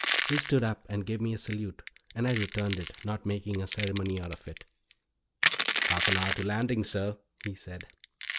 He stood up and gave me a salute and I returned it, not making a ceremony out of it. "Half an hour to landing, sir," he said.